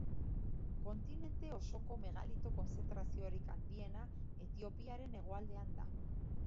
Kontinente osoko megalito konzentraziorik handiena Etiopiaren hegoaldean da.